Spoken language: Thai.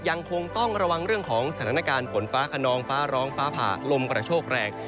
ยังคงต้องระวังเรื่องของสถานการณ์ฝนฟ้าขนองฟ้าร้องฟ้าผ่าลมกระโชกแรง